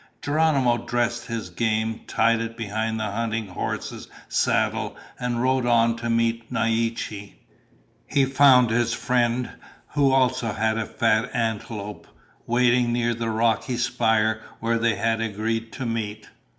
Geronimo dressed his game, tied it behind the hunting horse's saddle, and rode on to meet Naiche. He found his friend, who also had a fat antelope, waiting near the rocky spire where they had agreed to meet.